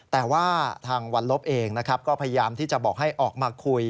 แต่ว่าทางวันลบเองนะครับก็พยายามที่จะบอกให้ออกมาคุย